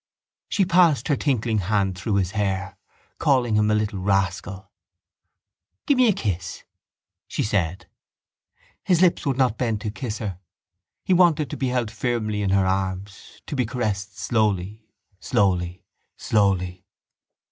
She passed her tinkling hand through his hair, calling him a little rascal. —Give me a kiss, she said. His lips would not bend to kiss her. He wanted to be held firmly in her arms, to be caressed slowly, slowly, slowly.